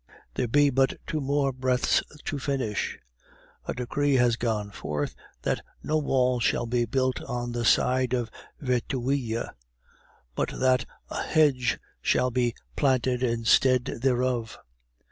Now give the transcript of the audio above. There be but two more breadths to finish. A decree has gone forth that no wall shall be built on the side of Verteuil, but that a hedge shall be planted instead thereof.